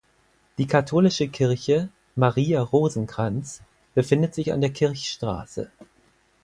Die katholische Kirche "Maria Rosenkranz" befindet sich an der Kirchstraße.